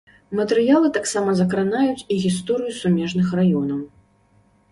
Матэрыялы таксама закранаюць і гісторыю сумежных раёнаў.